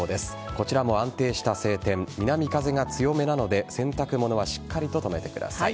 こちらも安定した晴天南風が強めなので洗濯物はしっかりと留めてください。